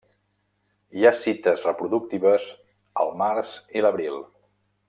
Hi ha cites reproductives el març i l'abril.